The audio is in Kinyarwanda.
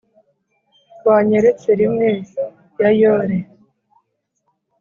wanyeretse rimwe, ya yore;